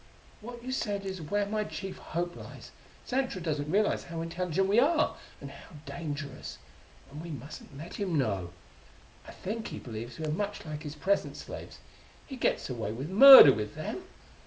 What you said is where my chief hope lies: Xantra doesn't realize how intelligent we are, and how dangerous; and we mustn't let him know! I think he believes we are much like his present slaves: he gets away with murder with them.